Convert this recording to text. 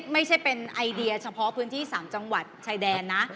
ไม่ใช่เป็นไอเดียเฉพาะพื้นที่๓จังหวัดชายแดนนะ